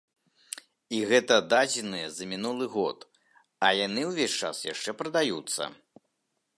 І гэта дадзеныя за мінулы год, а яны ўвесь час яшчэ прадаюцца.